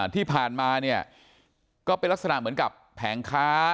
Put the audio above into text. ที่ผ่านมาเนี่ยก็เป็นลักษณะเหมือนกับแผงค้า